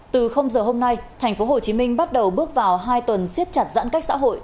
từ giờ hôm nay thành phố hồ chí minh bắt đầu bước vào hai tuần siết chặt giãn cách xã hội